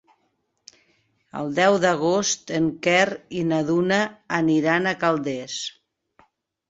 El deu d'agost en Quer i na Duna aniran a Calders.